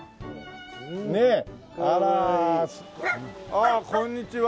ああこんにちは